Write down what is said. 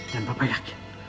dan papa yakin